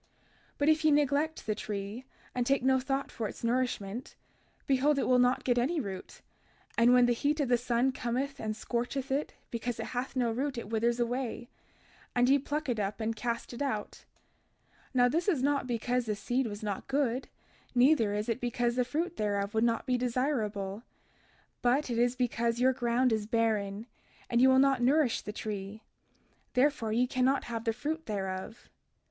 32:38 But if ye neglect the tree, and take no thought for its nourishment, behold it will not get any root; and when the heat of the sun cometh and scorcheth it, because it hath no root it withers away, and ye pluck it up and cast it out. 32:39 Now, this is not because the seed was not good, neither is it because the fruit thereof would not be desirable; but it is because your ground is barren, and ye will not nourish the tree, therefore ye cannot have the fruit thereof.